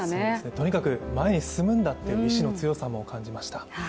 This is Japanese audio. とにかく前へ進むんだという意思の強さも感じました。